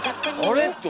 あれ？って。